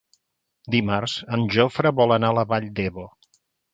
Dimarts en Jofre vol anar a la Vall d'Ebo.